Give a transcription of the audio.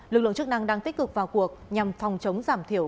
lực lượng chức năng đang tích cực vào cuộc nhằm phòng chống giảm thiểu